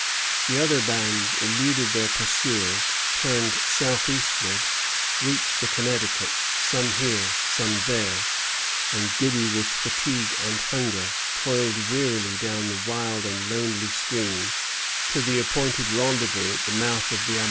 The other bands eluded their pursuers, turned southeastward, reached the Connecticut, some here, some there, and, giddy with fatigue and hunger, toiled wearily down the wild and lonely stream to the appointed rendezvous at the mouth of the Amonoosuc.